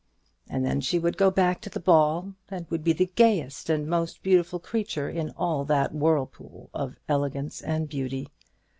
And then she would go back to the ball, and would be the gayest and most beautiful creature in all that whirlpool of elegance and beauty.